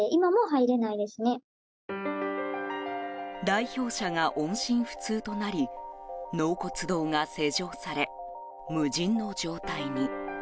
代表者が音信不通となり納骨堂が施錠され無人の状態に。